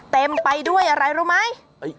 เต็มไปด้วยอะไรรู้ไหม